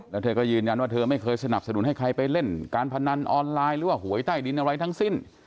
แล้วเธอก็ยืนยันว่าเธอไม่เคยสนับสนุนให้ใครไปเล่นการพนันออนไลน์หรือว่าหวยใต้ดินอะไรทั้งสิ้น